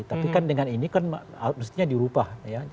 tapi kan dengan ini kan mestinya dirubah ya